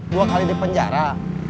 dua kali di penjara